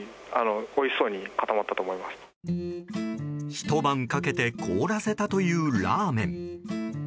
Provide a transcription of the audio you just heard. ひと晩かけて凍らせたというラーメン。